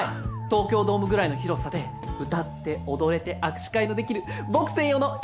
東京ドームぐらいの広さで歌って踊れて握手会のできる僕専用の光ドームです！